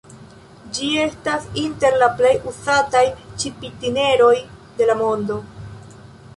Ĝi estas inter la plej uzataj ŝip-itineroj de la mondo.